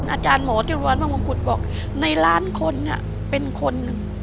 อาจารย์มองคุดบอกในล้านคนเป็นคน